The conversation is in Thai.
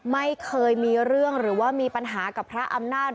ไม่เคยมีเรื่องหรือว่ามีปัญหากับพระอำนาจ